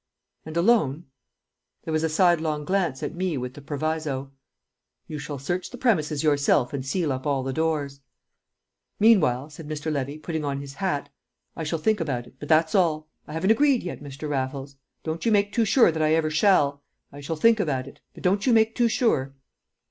"And alone?" There was a sidelong glance at me with the proviso. "You shall search the premises yourself and seal up all the doors." "Meanwhile," said Levy, putting on his hat, "I shall think about it, but that's all. I haven't agreed yet, Mr. Raffles; don't you make too sure that I ever shall. I shall think about it but don't you make too sure."